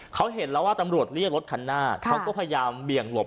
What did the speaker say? เขาเห็นแล้วว่าตำรวจเรียกรถคันหน้าเขาก็พยายามเบี่ยงหลบ